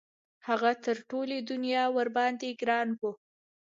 هغه تر ټولې دنیا ورباندې ګران وو.